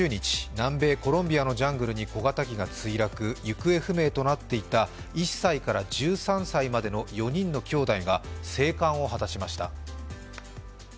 南米コロンビアのジャングルに小型機か墜落、行方不明となっていた１歳から１３歳までの４人の兄弟が生還を果たしました。